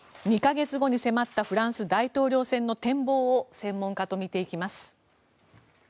２か月後に迫ったフランス大統領選の展望を専門家と見ていきます。